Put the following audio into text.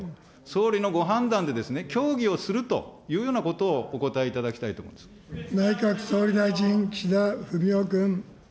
総理のご判断で協議をするというようなことをお答えいただきたい内閣総理大臣、岸田文雄君。